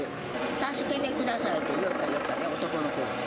助けてくださいって言いよったで、男の子が。